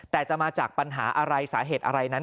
แต่จะมาจากปัญหาอะไรสาเหตุอะไรนั้น